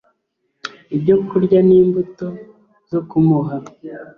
Ibyokurya nimbuto zo kumuha